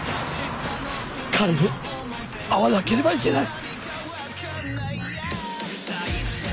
彼に会わなければいけない。